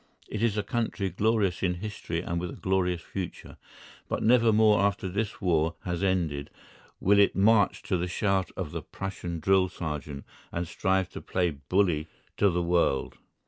It is a country glorious in history and with a glorious future. But never more after this war has ended will it march to the shout of the Prussian drill sergeant and strive to play bully to the world.